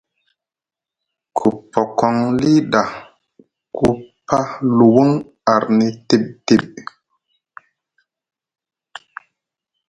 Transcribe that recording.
Ku pokoŋ li ɗa ku pa luwuŋ arni tiɓ tiɓ,